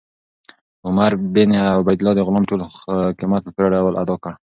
عمر بن عبیدالله د غلام ټول قیمت په پوره ډول ادا کړ.